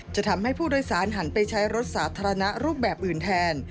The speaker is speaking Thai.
จะทำให้ผู้โดยสารหันไปใช้รถสาธารณะรูปแบบอื่นแทน